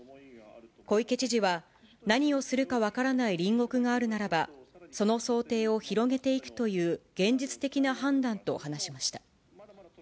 小池知事は、何をするか分からない隣国があるならば、その想定を広げていくという現実的な判断と話しました。